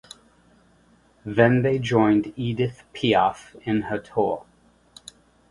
Then they joined Edith Piaf in her tour.